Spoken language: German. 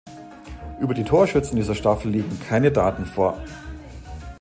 Über die Torschützen dieser Staffel liegen keine Daten vor.